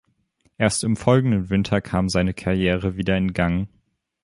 Erst im folgenden Winter kam seine Karriere wieder in Gang.